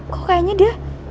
kok kayaknya dia